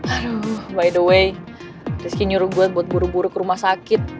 by the way rizky nyuruh gue buat buru buru ke rumah sakit